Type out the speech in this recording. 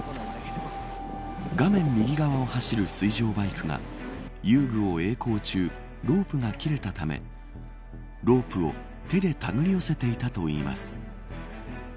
画面右側を走る水上バイクが遊具をえい航中ロープが切れたためロープを手でたぐり寄せていたといいます